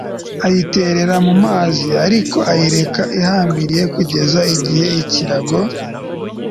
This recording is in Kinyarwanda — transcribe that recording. ayiterera mu mazi ariko ayireka ihambiriye kugeza igihe ikirago